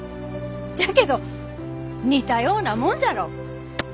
じゃけど似たようなもんじゃろう。